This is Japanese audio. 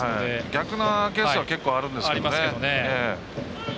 逆のケースは結構あるんですけどね。